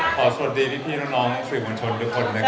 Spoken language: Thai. ขอสวัสดีพี่พี่น้องน้องสื่อมันชนทุกคนนะครับ